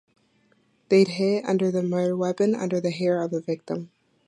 They hid the murder weapon under the hair of the victim.